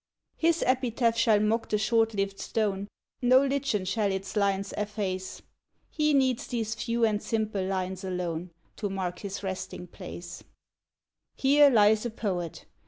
His epitaph shall mock the short lived stone, No lichen shall its lines efface, He needs these few and simple lines alone To mark his resting place: "Here lies a Poet.